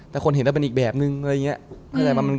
แต่คนเห็นแล้วเป็นอีกแบบนึงอะไรอย่างนี้